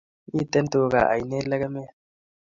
Miten tuka ainet nekemet